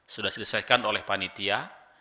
sudah selesaikan oleh panitia